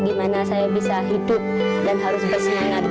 gimana saya bisa hidup dan harus bersenangat